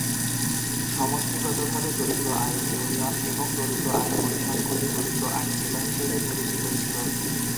সমষ্টিগতভাবে, দরিদ্র আইন ইউনিয়ন এবং দরিদ্র আইন পরিষদগুলি দরিদ্র আইন জেলা হিসেবে পরিচিত ছিল।